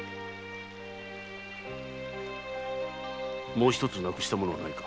もう一つ失くした物はないか。